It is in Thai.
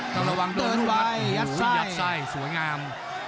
ต้องระวังปืนสวยมากยัดไส้สวยงาม